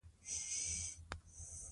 اوږدمهاله حافظه هم له دې سره تړلې ده.